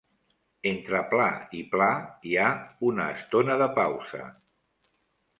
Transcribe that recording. Entre pla i pla hi ha una estona de pausa.